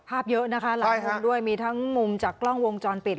เยอะนะคะหลายมุมด้วยมีทั้งมุมจากกล้องวงจรปิด